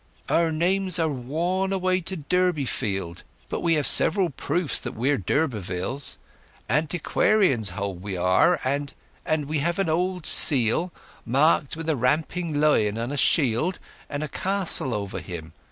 "Our names are worn away to Durbeyfield; but we have several proofs that we are d'Urbervilles. Antiquarians hold we are,—and—and we have an old seal, marked with a ramping lion on a shield, and a castle over him.